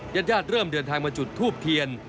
ญาติญาติเริ่มเดินทางมาจุดทูบเทียน